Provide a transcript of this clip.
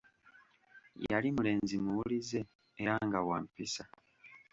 Yali mulenzi muwulize era nga wa mpisa.